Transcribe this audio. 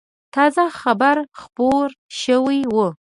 تازه خبر خپور شوی و.